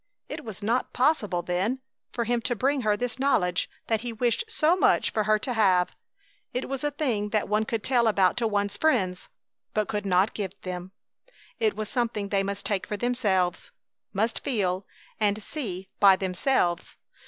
It was not possible, then, for him to bring her this knowledge that he wished so much for her to have. It was a thing that one could tell about to one's friends, but could not give to them. It was something they must take for themselves, must feel and see by themselves!